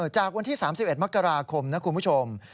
จากวันที่๓๑มกราคมนะคุณผู้ชม